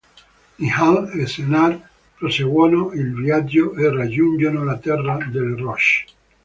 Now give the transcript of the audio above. Nihal e Sennar proseguono il viaggio e raggiungono la Terra delle Rocce.